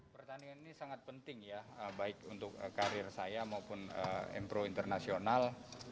pertandingan ini sangat penting ya baik untuk karir saya maupun mpro internasional